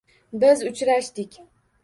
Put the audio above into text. Biz uchrashdik